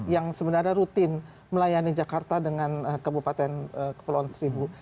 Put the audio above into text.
yang sebenarnya rutin melayani jakarta dengan kabupaten kepulauan seribu